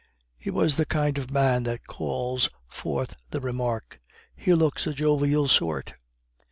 He was the kind of man that calls forth the remark: "He looks a jovial sort!"